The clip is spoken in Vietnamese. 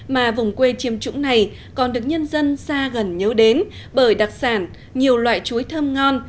mà vùng quê chiêm trũng này còn được nhân dân xa gần nhớ đến bởi đặc sản nhiều loại chuối thơm ngon